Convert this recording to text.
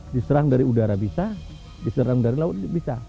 diserang dari udara bisa diserang dari laut bisa